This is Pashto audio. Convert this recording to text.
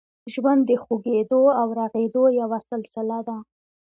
ژوند د خوږېدو او رغېدو یوه سلسله ده.